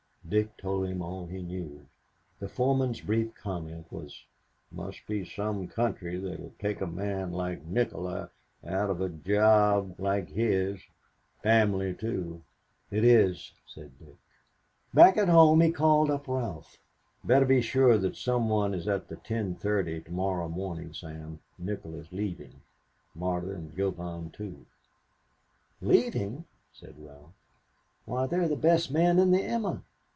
Dick told him all he knew. The foreman's brief comment was, "Must be some country that will take a man like Nikola out of a job like his family too." "It is," said Dick. Back at home he called up Ralph. "Better be sure that some one is at the 10:30 to morrow morning, Sam. Nikola is leaving. Marta and Yovan too." "Leaving," said Ralph. "Why, they're the best men in the 'Emma.'